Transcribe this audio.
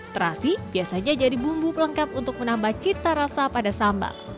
terasi biasanya jadi bumbu pelengkap untuk menambah cita rasa pada sambal